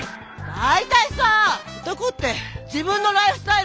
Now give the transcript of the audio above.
大体さ男って自分のライフスタイル